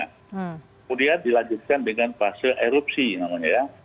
kemudian dilanjutkan dengan fase erupsi namanya ya